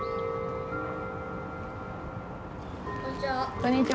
こんにちは。